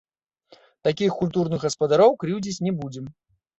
Такіх культурных гаспадароў крыўдзіць не будзем.